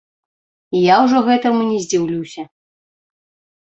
Я ўжо гэтаму не здзіўлюся.